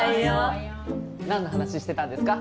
なんの話してたんですか？